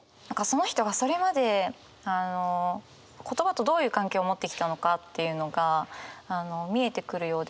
その人がそれまで言葉とどういう関係を持ってきたのかっていうのが見えてくるようでもあって。